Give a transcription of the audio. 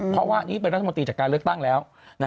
เพราะว่านี่เป็นรัฐมนตรีจากการเลือกตั้งแล้ว